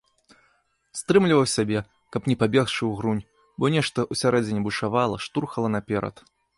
Стрымліваў сябе, каб не пабегчы ўгрунь, бо нешта ўсярэдзіне бушавала, штурхала наперад.